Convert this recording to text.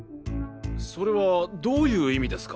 それはどういう意味ですか？